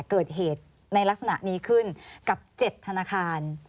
เกิดเหตุในลักษณะนี้ขึ้นกับ๗ธนาคาร